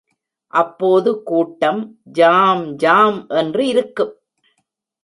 அப்போது கூட்டம் ஜாம் ஜாம் என்று இருக்கும்.